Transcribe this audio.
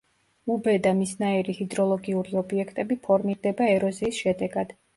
უბე და მისნაირი ჰიდროლოგიური ობიექტები ფორმირდება ეროზიის შედეგად.